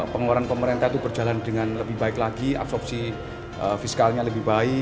pengeluaran pemerintah itu berjalan dengan lebih baik lagi absorpsi fiskalnya lebih baik